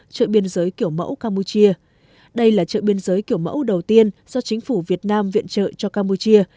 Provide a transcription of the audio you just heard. chợ biên giới kiểu mẫu campuchia đây là chợ biên giới kiểu mẫu đầu tiên do chính phủ việt nam viện trợ cho campuchia